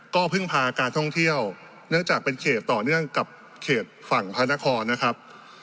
ก็พึ่งพาการท่องเที่ยวเนื่องจากเป็นเขตต่อเนื่องกับเขตฝั่งพระนครนะครับ